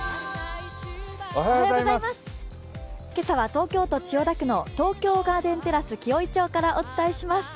今朝は東京都千代田区の東京ガーデンテラス紀尾井町からお伝えします。